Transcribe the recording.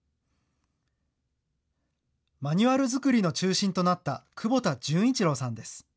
マニュアル作りの中心となった久保田潤一郎さんです。